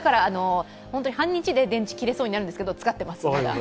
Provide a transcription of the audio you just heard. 半日で電池切れそうになるんですけど、使ってます。